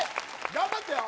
頑張ってよ